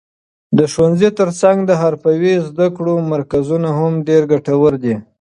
د ښوونځي تر څنګ د حرفوي زده کړو مرکزونه هم ډېر ګټور دي.